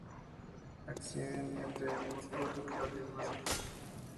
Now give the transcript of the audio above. Ascienden entre el músculo temporal y el hueso.